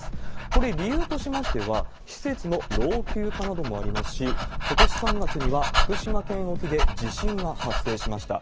これ、理由としましては、施設の老朽化などもありますし、ことし３月には福島県沖で地震が発生しました。